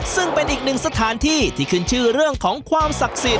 ซึ่งเป็นอีกหนึ่งสถานที่ที่ขึ้นชื่อเรื่องของความศักดิ์สิทธิ